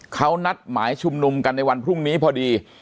เขานัดหมายชุมนุมกันในวันพรุ่งนี้พอดี